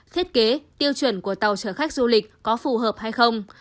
thiết kế tiêu chuẩn của tàu chở khách du lịch có phù hợp hay không